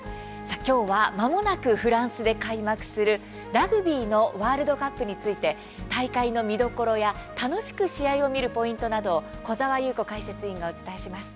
今日は、まもなくフランスで開幕するラグビーのワールドカップについて大会の見どころや楽しく試合を見るポイントなどを小澤優子解説委員がお伝えします。